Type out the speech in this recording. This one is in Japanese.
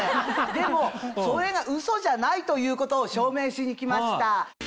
でもそれがうそじゃないということを証明しに来ました。